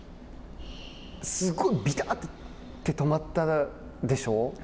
すごいびたって止まったでしょう？